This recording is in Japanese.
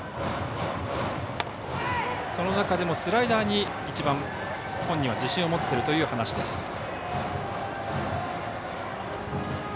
その中でもスライダーに一番、本人は自信を持っているという話です。